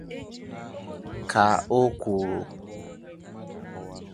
ka o kwuru.